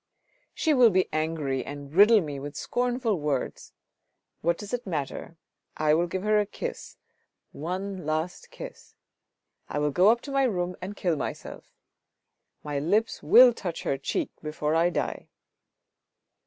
" She will be angry and riddle me with scornful words ! What does it matter ? I will give her a kiss, one last kiss. I will go up to my room and kill myself ... my lips will touch her cheek before I die."